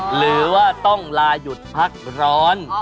หรือว่าต้องลาหยุดพักร้อน